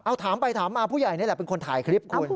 เอาถามไปถามมาผู้ใหญ่นี่แหละเป็นคนถ่ายคลิปคุณ